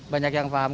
banyak yang paham